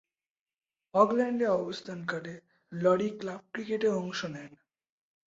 অকল্যান্ডে অবস্থানকালে লরি ক্লাব ক্রিকেটে অংশ নেন।